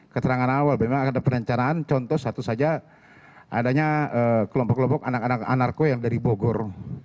keterangan awal memang ada perencanaan contoh satu saja adanya kelompok kelompok anak anak anarko yang dari bogor